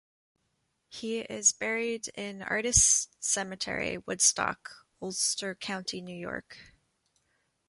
He is buried in Artists Cemetery, Woodstock, Ulster County, New York.